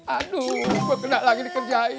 aduh gue kena lagi dikerjain